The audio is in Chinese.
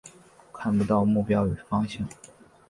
看不到目标与方向